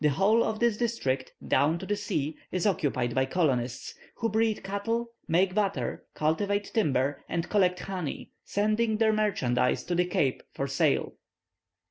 The whole of this district, down to the sea, is occupied by colonists, who breed cattle, make butter, cultivate timber, and collect honey, sending their merchandise to the Cape for sale.